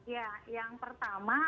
ya yang pertama